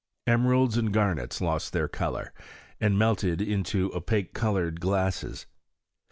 Emeralds and garnets lost their colour, and melted into opaque coloured glasses.